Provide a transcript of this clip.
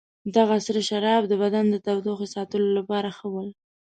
دغه سره شراب د بدن د تودوخې ساتلو لپاره ښه ول.